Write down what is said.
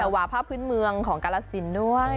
แบบผิดเมืองของกาลสินศ์ด้วย